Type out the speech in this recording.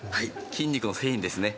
筋肉の繊維ですね。